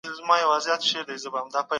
که اړتیا پوره سي مینه سړه کیږي.